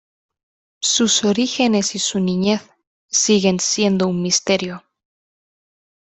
Sus orígenes y su niñez siguen siendo un misterio.